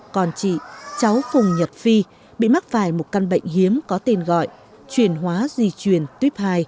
còn chị cháu phùng nhật phi bị mắc phải một căn bệnh hiếm có tên gọi truyền hóa di truyền tuyếp hai